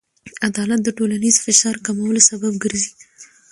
عدالت د ټولنیز فشار کمولو سبب ګرځي.